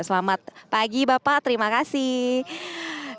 selamat pagi bapak terima kasih